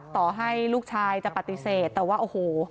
ต่อให้ลูกชายจะปฏิเสธแต่ว่าโอ้โห